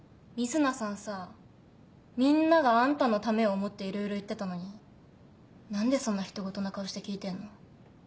みんながあんたのためを思っていろいろ言ってたのに何でそんな人ごとな顔して聞いてんの？